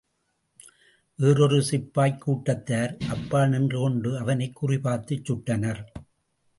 வேறொரு சிப்பாய்க் கூட்டத்தார்.அப்பால் நின்று கொண்டு அவனைக் குறி பார்த்துச் சுட்டனர்.